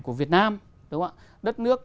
của việt nam đất nước